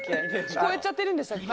聞こえちゃってるんでしたっけ？